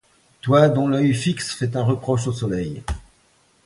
Toi dont l'oeil fixe fait un reproche au soleil